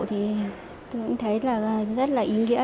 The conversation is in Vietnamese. tôi cũng thấy rất là ý nghĩa